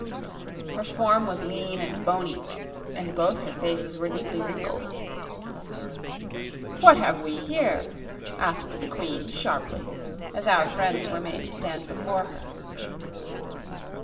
Her form was lean and bony and both her faces were deeply wrinkled. "What have we here?" asked the Queen sharply, as our friends were made to stand before her.